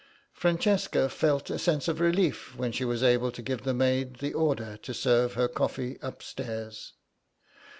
Francesca felt a sense of relief when she was able to give the maid the order to serve her coffee upstairs.